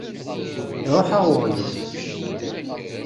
Iṛuḥ-aɣ weɣyul!